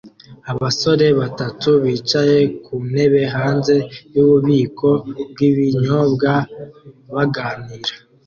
Abasore batatu bicaye ku ntebe hanze yububiko bwibinyobwa baganira